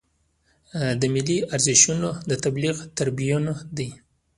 د ملي ارزښتونو د تبلیغ تربیون دی.